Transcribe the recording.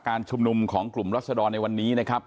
ชุมนุมของกลุ่มรัศดรในวันนี้นะครับ